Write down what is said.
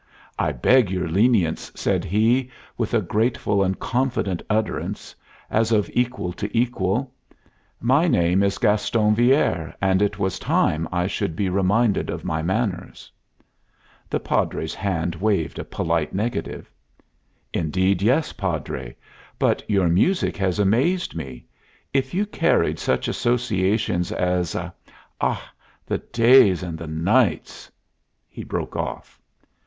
"I beg your lenience," said he, with a graceful and confident utterance, as of equal to equal. "My name is Gaston Villere, and it was time I should be reminded of my manners." The Padre's hand waved a polite negative. "Indeed, yes, Padre. But your music has amazed me. If you carried such associations as Ah! the days and the nights!" he broke off.